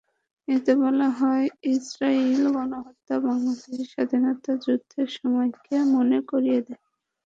এতে বলা হয়, ইসরায়েলি গণহত্যা বাংলাদেশের স্বাধীনতাযুদ্ধের সময়কে মনে করিয়ে দেয়।